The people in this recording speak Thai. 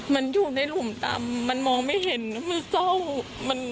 มันอยู่ในหลุมตำมันมองไม่เห็นมันเศร้า